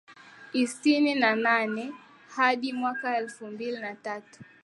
isini na nane hadi mwaka elfu mbili na tatu